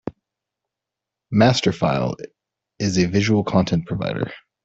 Masterfile is a visual content provider.